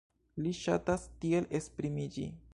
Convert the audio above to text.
Li ŝatas tiel esprimiĝi.